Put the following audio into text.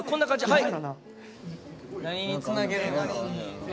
はい。